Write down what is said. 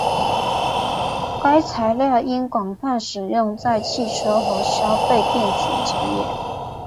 该材料被广泛使用在汽车和消费电子产业。